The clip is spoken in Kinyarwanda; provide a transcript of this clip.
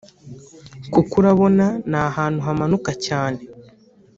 kuko urabona ni ahantu hamanuka cyane